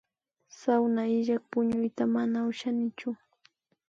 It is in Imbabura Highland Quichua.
Sawna illak puñuyta mana ushanichu